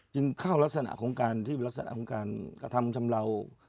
จึงเข้ารักษณะของการกระทำชำลาว